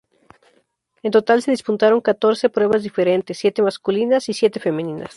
En total se disputaron catorce pruebas diferentes, siete masculinas y siete femeninas.